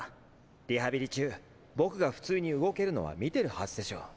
リハビリ中僕が普通に動けるのは見てるはずでしょ。